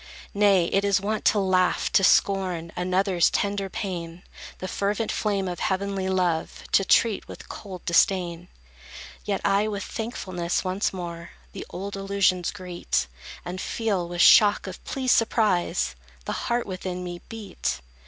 Nay, it is wont to laugh to scorn Another's tender pain; The fervent flame of heavenly love To treat with cold disdain. Yet I with thankfulness once more The old illusions greet, And feel, with shock of pleased surprise, The heart within me beat.